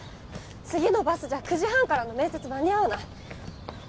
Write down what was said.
次のバスじゃ９時半からの面接間に合わない！